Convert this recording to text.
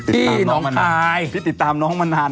ที่น้องคายพี่ติดตามน้องมานาน